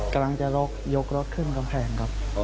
กำลังจะยกรถขึ้นกำแพงครับ